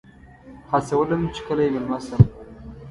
هڅولم چې کله یې میلمه شم.